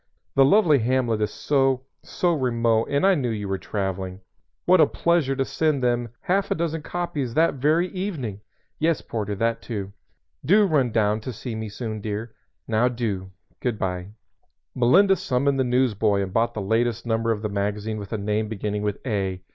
The lovely hamlet is so so remote, and I knew you were traveling. What a pleasure to send them half a dozen copies that very evening! Yes, porter, that, too Do run down to see me soon, dear Now do. Good by!" Melinda summoned the newsboy and bought the latest number of the magazine with a name beginning with "A."